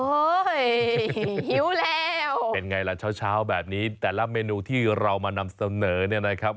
หิวแล้วเป็นไงล่ะเช้าเช้าแบบนี้แต่ละเมนูที่เรามานำเสนอเนี่ยนะครับ